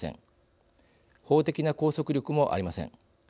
法的な拘束力もありません。